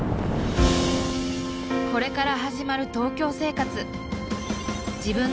これから始まる東京生活。